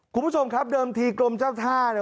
คุณผู้ชมครับเดิมทีกรมเจ้าท่าเนี่ย